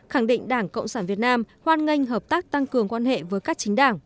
khẳng định đảng cộng sản việt nam hoan nghênh hợp tác tăng cường quan hệ với các chính đảng